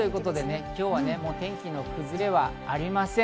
今日は天気の崩れはありません。